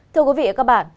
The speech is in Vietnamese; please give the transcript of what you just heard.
thưa quý vị và các bạn